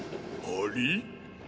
あれ？